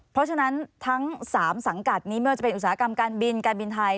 เพราะฉะนั้นทั้ง๓สังกัดนี้ไม่ว่าจะเป็นอุตสาหกรรมการบินการบินไทย